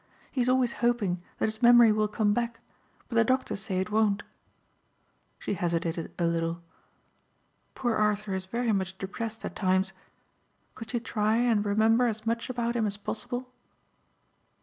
He is always hoping that his memory will come back but the doctors say it won't." She hesitated a little. "Poor Arthur is very much depressed at times. Could you try and remember as much about him as possible?"